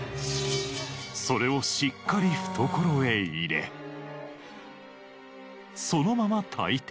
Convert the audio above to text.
それをしっかり懐へ入れそのまま退店。